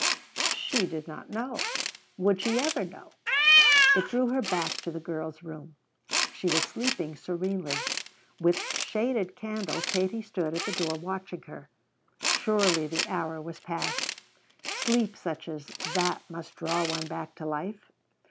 She did not know. Would she ever know? It drew her back to the girl's room. She was sleeping serenely. With shaded candle Katie stood at the door watching her. Surely the hour was past! Sleep such as that must draw one back to life.